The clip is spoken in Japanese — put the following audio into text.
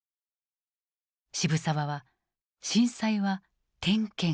渋沢は震災は「天譴」